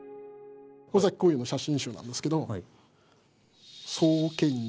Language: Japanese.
尾崎紅葉の写真集なんですけど壮健時。